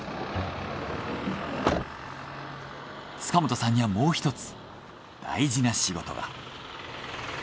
塚本さんにはもう１つ大事な仕事が。